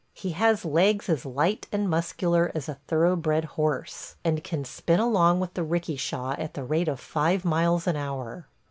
He has legs as light and muscular as a thoroughbred horse, and can spin along with the 'rikisha at the rate of five miles an hour.